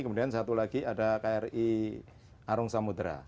kemudian satu lagi ada kri arung samudera